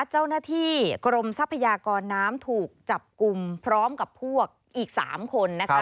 เจ้าหน้าที่กรมทรัพยากรน้ำถูกจับกลุ่มพร้อมกับพวกอีก๓คนนะคะ